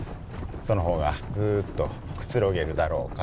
その方がずっとくつろげるだろうからと。